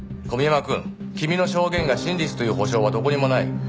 小宮山くん君の証言が真実という保証はどこにもない。